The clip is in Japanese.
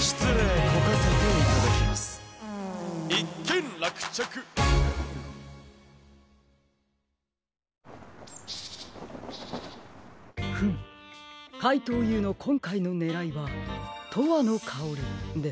ん？フムかいとうＵのこんかいのねらいは「とわのかおり」ですか。